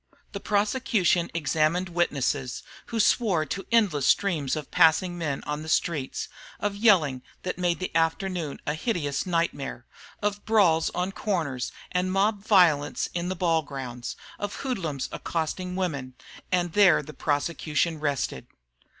The prosecution examined witnesses, who swore to endless streams of passing men on the streets; of yelling that made the afternoon a hideous nightmare; of brawls on corners and mob violence in the ball grounds; of hoodlums accosting women. And there the prosecution rested.